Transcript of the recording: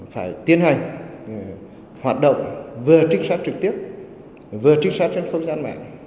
phải tiến hành hoạt động vừa trích sát trực tiếp vừa trích sát trên không gian mạng